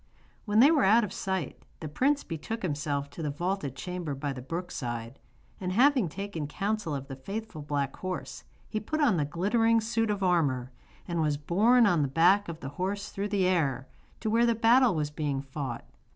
When they were out of sight the prince betook himself to the vaulted chamber by the brook side, and having taken counsel of the faithful black horse, he put on the glittering suit of armour, and was borne on the back of the horse through the air, to where the battle was being fought.